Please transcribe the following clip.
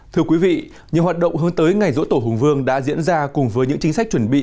thưa quý vị nhiều hoạt động hướng tới ngày dỗ tổ hùng vương đã diễn ra cùng với những chính sách chuẩn bị